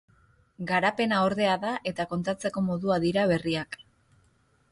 Garapena ordea da eta kontatzeko modua dira berriak.